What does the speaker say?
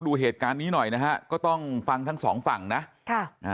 ดูเหตุการณ์นี้หน่อยนะฮะก็ต้องฟังทั้งสองฝั่งนะค่ะอ่า